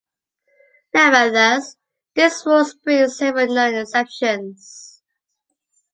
Nevertheless, this rules brings several known exceptions.